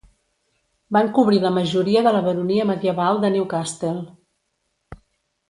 Van cobrir la majoria de la baronia medieval de Newcastle.